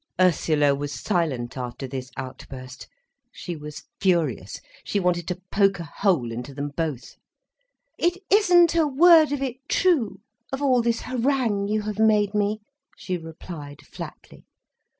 _" Ursula was silent after this outburst. She was furious. She wanted to poke a hole into them both. "It isn't a word of it true, of all this harangue you have made me," she replied flatly.